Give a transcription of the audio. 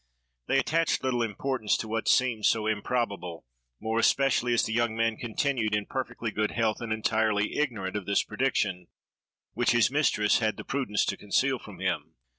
They attached little importance to what seemed so improbable, more especially as the young man continued in perfectly good health, and entirely ignorant of this prediction, which his mistress had the prudence to conceal from him.